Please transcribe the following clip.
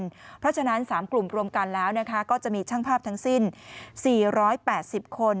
เพราะฉะนั้น๓กลุ่มรวมกันแล้วก็จะมีช่างภาพทั้งสิ้น๔๘๐คน